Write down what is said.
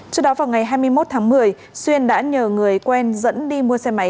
trước đó vào ngày hai mươi một tháng một mươi xuyên đã nhờ người quen dẫn đi mua xe máy